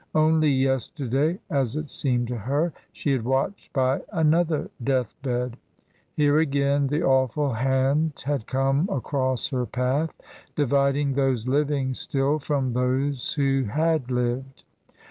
Only yesterday, as it seemed to her, she had watched by another death bed. Here again the awful hand had come across her path, dividing those living still from those who had lived.